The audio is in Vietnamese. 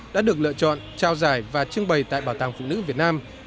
đã được lựa chọn trao giải và trưng bày tại bảo tàng phụ nữ việt nam